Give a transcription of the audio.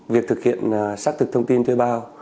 việc thực hiện xác thực thông tin thuê bao